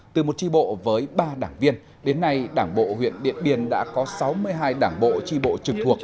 từ một tri bộ với ba đảng viên đến nay đảng bộ huyện điện biên đã có sáu mươi hai đảng bộ tri bộ trực thuộc